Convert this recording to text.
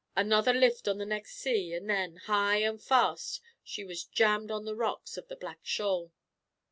Another lift on the next sea and then, high and fast, she was jammed on the rocks of the Black Shoal.